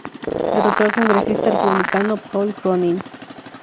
Derrotó al congresista republicano Paul Cronin.